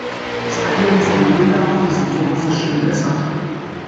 Das Einnehmen von Holunder hat die Symptome verschlimmbessert.